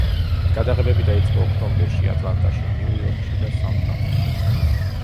გადაღებები დაიწყო ოქტომბერში, ატლანტაში, ნიუ-იორკში და სან-ფრანცისკოში.